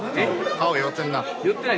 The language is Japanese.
顔酔ってんな。